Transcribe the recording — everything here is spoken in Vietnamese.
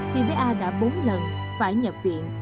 thì bé a đã bốn lần phải nhập viện